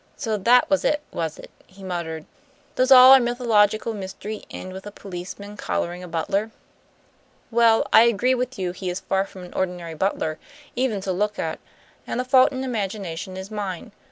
"So that was it, was it!" he muttered. "Does all our mythological mystery end with a policeman collaring a butler? Well, I agree with you he is far from an ordinary butler, even to look at; and the fault in imagination is mine.